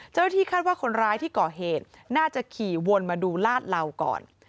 เจ้าหน้าที่คาดว่าคนร้ายที่ก่อเหตุน่าจะขี่วนมาดูลาดเหล่าก่อน